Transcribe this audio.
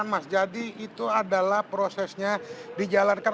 nanti jatuh ya nggak benar